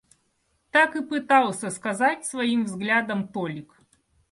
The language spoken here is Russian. так и пытался сказать своим взглядом Толик.